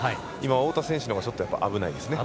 太田選手のほうが危ないですね。